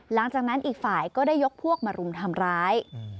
หลังจากนั้นอีกฝ่ายก็ได้ยกพวกมารุมทำร้าย